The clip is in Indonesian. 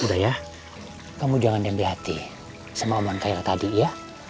udah ya kamu jangan dembih hati sama omongan kaya tadi ya